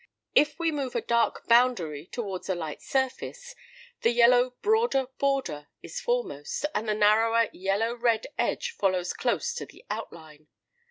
If we move a dark boundary towards a light surface, the yellow broader border is foremost, and the narrower yellow red edge follows close to the outline.